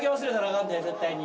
かんで、絶対に。